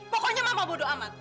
pokoknya mama bodo amat